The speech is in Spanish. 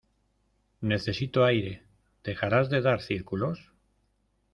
Necesito aire. ¿ dejarás de dar círculos?